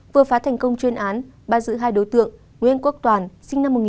vừa phá thành công chuyên án ba giữ hai đối tượng nguyễn quốc toàn sinh năm một nghìn chín trăm chín mươi